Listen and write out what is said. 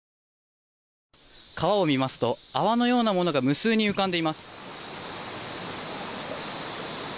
川を見ますと泡のようなものが無数に浮かんでいます。